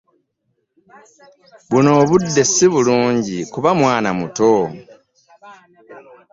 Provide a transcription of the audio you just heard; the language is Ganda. Buno obudde sibulungi ku mwana omuto.